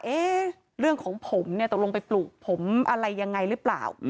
เรื่องของผมเนี่ยตกลงไปปลูกผมอะไรยังไงหรือเปล่า